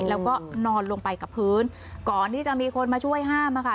แล้วก็นอนลงไปกับพื้นก่อนที่จะมีคนมาช่วยห้ามอะค่ะ